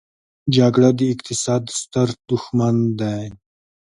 جګړه د اقتصاد ستر دښمن دی.